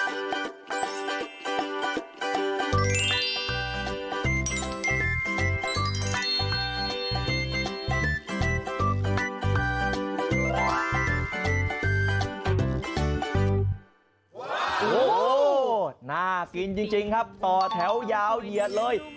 โอ้โหน่ากินจริงครับต่อแถวยาวเหยียดเลย